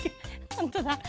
ほんとだ。